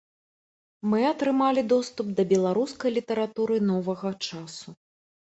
Мы атрымалі доступ да беларускай літаратуры новага часу.